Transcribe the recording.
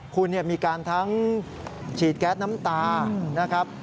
คุณมีการทั้งฉีดแก๊สน้ำตานะครับ